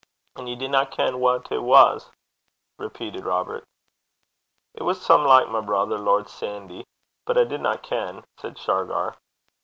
'And ye dinna ken wha it was?' repeated Robert. 'It was some like my brither, Lord Sandy; but I dinna ken,' said Shargar.